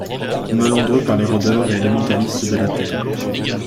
Melandru par les rôdeurs et élémentalistes de la terre.